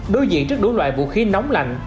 đối diện trước đối loại vũ khí nóng lạnh